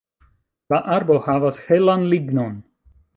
La arbo havas helan lignon.